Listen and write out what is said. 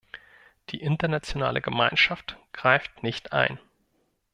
Die internationale Gemeinschaft greift nicht ein.